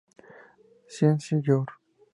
Science", "Jour.